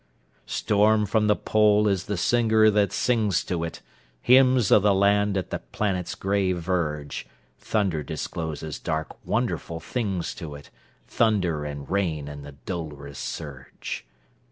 Storm from the Pole is the singer that sings to itHymns of the land at the planet's grey verge. Thunder discloses dark, wonderful things to it—Thunder, and rain, and the dolorous surge.